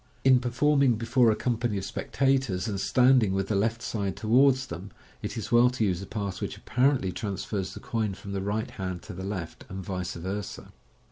In performing before a company of spectators, and standing with the left side towards them, it is well to use a pass which apparently trans fers the coin from the right hand to the left, and vice versa.